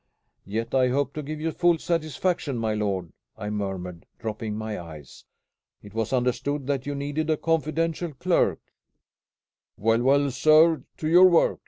"Yet I hope to give you full satisfaction, my lord," I murmured, dropping my eyes. "It was understood that you needed a confidential clerk." "Well, well, sir, to your work!"